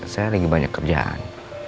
saya lagi banyak kerjaan